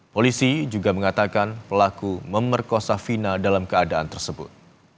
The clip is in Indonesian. polisi juga mengatakan pelaku memerkosa vina dalam keadaan tersebut